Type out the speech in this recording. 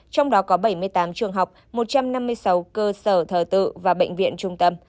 trong đó có bảy mươi tám trường học một trăm năm mươi sáu cơ sở thờ tự và bệnh viện trung tâm